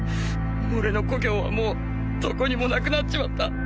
「俺の故郷はもうどこにもなくなっちまった」